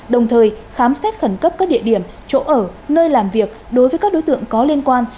đồng thời khám xét khẩn cấp các địa điểm chỗ ở nơi làm việc đối với các đối tượng có liên quan